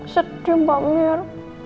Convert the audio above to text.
sedih mbak mir